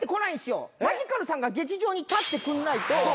マヂカルさんが劇場に立ってくんないと。